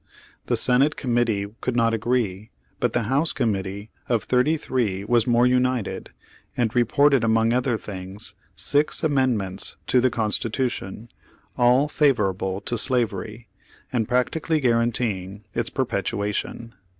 The Senate Committee could not agree, but the House Committee of thirty three was more united, and reported among other things, six amendments to the Constitution, all favorable to slavery, and practically guaranteeing its perpetuation.